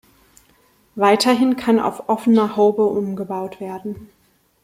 Weiterhin kann auf offene Haube umgebaut werden.